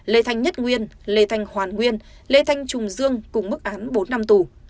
lê thanh nhất nguyên lê thanh hoàn nguyên lê thanh trùng dương cùng mức án bốn năm tù